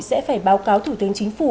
sẽ phải báo cáo thủ tướng chính phủ